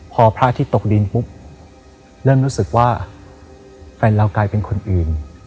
พอพระอาทิตย์ตกดินปุ๊บเริ่มรู้สึกว่าแฟนเรากลายเป็นคนอื่น